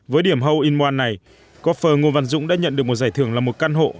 với điểm hole in one này góp phơ ngô văn dũng đã nhận được một giải thưởng là một căn hộ